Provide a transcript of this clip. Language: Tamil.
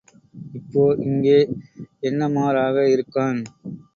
இப்போ இங்கே என்.எம்.ஆர்.ஆக இருக்கான்.